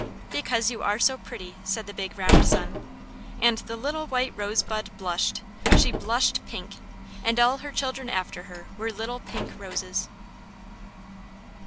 "Because you are so pretty!" said the big round sun. And the little white rosebud blushed! She blushed pink. And all her children after her were little pink roses!